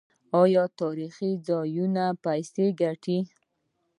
آیا تاریخي ځایونه پیسې ګټي؟